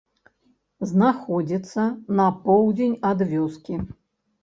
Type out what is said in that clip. Знаходзіцца на поўдзень ад вёскі.